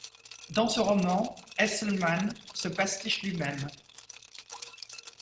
Dans ce roman, Estleman se pastiche lui-même.